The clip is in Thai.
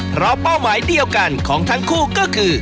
เพราะเป้าหมายเดียวกันของทั้งคู่ก็คือ